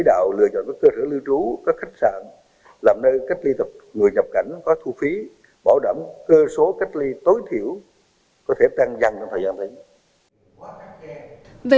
để sử dụng các cơ sở lưu trú khách sạn để tổ chức cách ly có thu phí